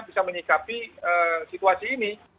bisa menyikapi situasi ini